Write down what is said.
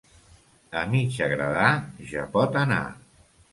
A mig agradar, ja pot anar.